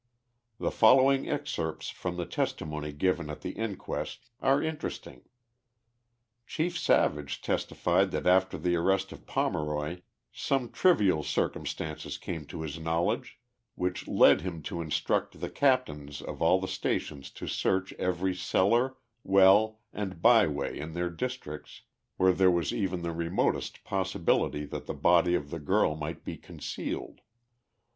The following excerpts from the testimony given at the in quest are interesting : Chief Savage testified that after the arrest of Pomeroy some trivial circumstances came to his knowledge, which led him to instruct the captains of all the stations to search every cellar, well and by way in their districts where there was even the re motest possibility that the body of the girl might be concealed.